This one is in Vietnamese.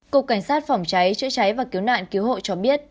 cục cảnh sát phòng cháy chữa cháy và cứu nạn cứu hộ cho biết